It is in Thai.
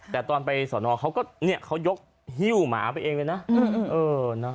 แต่ตอนไปสอนอเขาก็เนี่ยเขายกหิ้วหมาไปเองเลยนะ